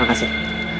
terima kasih pak